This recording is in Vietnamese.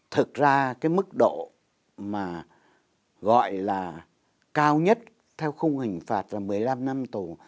thực ra cái mức độ mà gọi là cao nhất theo khung hình phạt là một mươi năm năm tù